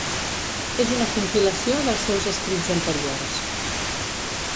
És una compilació dels seus escrits anteriors.